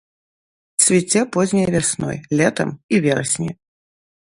Цвіце позняй вясной, летам і верасні.